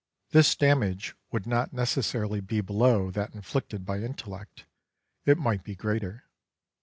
This damage would not necessarily be below that inflictec/ by intellect ; it might be greater.